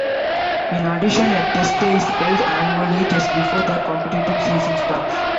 In addition, a Test Day is held annually just before the competitive season starts.